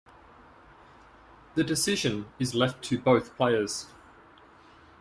The decision is left to both players.